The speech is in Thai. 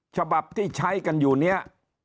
ฉบับที่ใช้กันอยู่เนี่ย